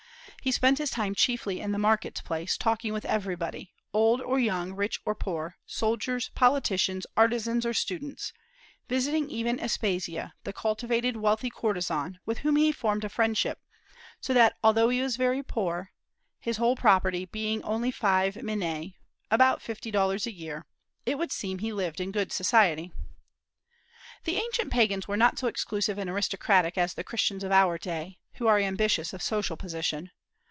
He spent his time chiefly in the market place, talking with everybody, old or young, rich or poor, soldiers, politicians, artisans, or students; visiting even Aspasia, the cultivated, wealthy courtesan, with whom he formed a friendship; so that, although he was very poor, his whole property being only five minae (about fifty dollars) a year, it would seem he lived in "good society." The ancient Pagans were not so exclusive and aristocratic as the Christians of our day, who are ambitious of social position.